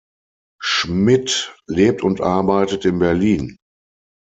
Schmidt lebt und arbeitet in Berlin.